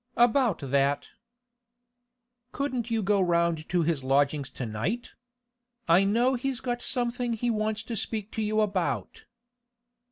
'About that.' 'Couldn't you go round to his lodgings to night? I know he's got something he wants to speak to you about.